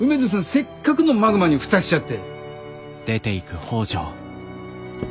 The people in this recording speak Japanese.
せっかくのマグマに蓋しちゃって。